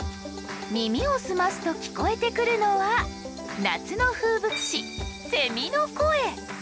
耳を澄ますと聞こえてくるのは夏の風物詩セミの声。